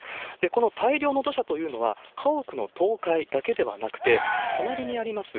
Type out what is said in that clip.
この大量の土砂というのは、家屋の倒壊だけではなくて、隣にあります